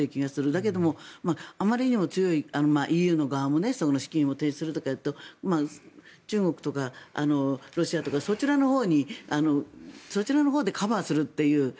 だけど、あまりにも強いＥＵの側も資金を停止するとかいうと中国とかロシアとかそちらのほうでカバーするという